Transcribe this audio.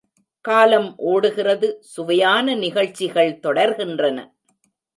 காலம் ஓடுகிறது சுவையான நிகழ்ச்சிகள் தொடர்கின்றன!...